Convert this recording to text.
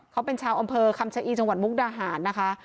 เขาเป็นชาวอำเภอคำชะอีจังหวัดมุกดาหารนะคะ